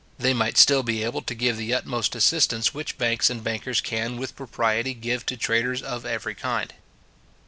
They might still be able to give the utmost assistance which banks and bankers can with propriety give to traders of every kind.